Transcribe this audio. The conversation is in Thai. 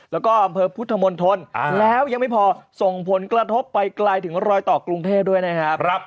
แล้วก็อำเภอพุทธมนตรแล้วยังไม่พอส่งผลกระทบไปไกลถึงรอยต่อกรุงเทพด้วยนะครับ